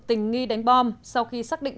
tình nghi đánh bom sau khi xác định